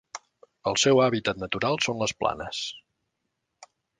El seu hàbitat natural són les planes.